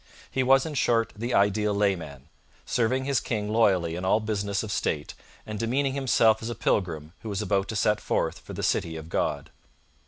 He was, in short, the ideal layman serving his king loyally in all business of state, and demeaning himself as a pilgrim who is about to set forth for the City of God.